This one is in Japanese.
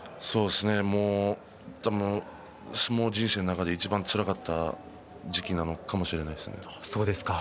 相撲人生の中でいちばんつらかった時期なのかもしれないですね。